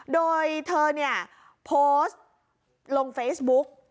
โดยเธอเนี่ยโพสต์ลงเฟซบุ๊ก